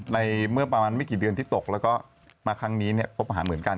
ในเมื่อประมาณไม่กี่เดือนที่ตกแล้วก็มาครั้งนี้พบหาเหมือนกัน